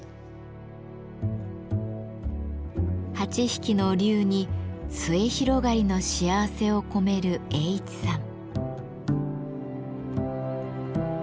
８匹の龍に末広がりの幸せを込める栄市さん。